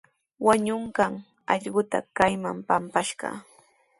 Wañunqan allquuta kaytrawmi pampashqaa.